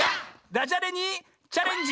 ダジャレにチャレンジ！